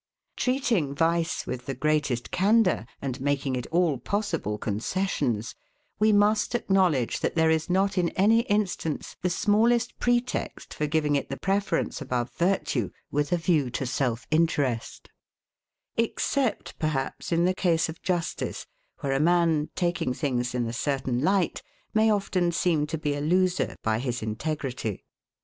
Treating vice with the greatest candour, and making it all possible concessions, we must acknowledge that there is not, in any instance, the smallest pretext for giving it the preference above virtue, with a view of self interest; except, perhaps, in the case of justice, where a man, taking things in a certain light, may often seem to be a loser by his integrity.